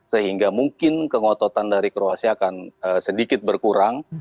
sehingga mungkin kengototan dari kroasia akan sedikit berkurang